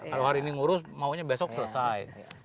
kalau hari ini ngurus maunya besok selesai